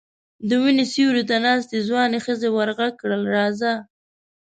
د وني سيوري ته ناستې ځوانې ښځې ور غږ کړل: راځه!